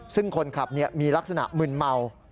ซึ่งคนขับมีลักษณะมึนเมา